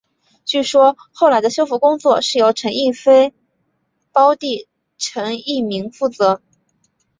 据说后来的修复工作是由陈逸飞胞弟陈逸鸣负责。